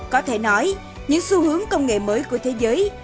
có thể nói những xu hướng công nghệ mới của thế giới